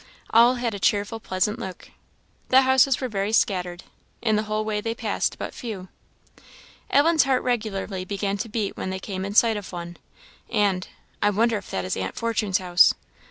All had a cheerful, pleasant look. The houses were very scattered; in the whole way they passed but few. Ellen's heart regularly began to beat when they came in sight of one, and "I wonder if that is aunt Fortune's house!"